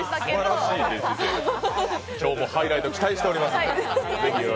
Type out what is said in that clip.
今日もハイライト期待しております。